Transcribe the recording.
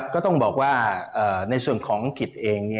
ก็ต้องบอกว่าในส่วนของอังกฤษเอง